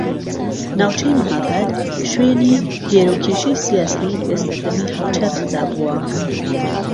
ناوچەی مەھاباد شوێنی گێرەوکێشەی سیاسی لە سەردەمی هاوچەرخدا بووە